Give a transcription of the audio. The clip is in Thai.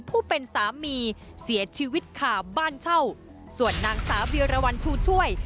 ผู้เป็นสามีเสียชีวิตขาบบ้านเช่าส่วนนางสาวเวียรวรรณชูช่วย